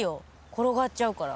転がっちゃうから。